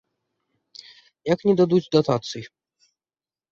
Як не дадуць датацый?!